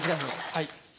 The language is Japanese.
はい。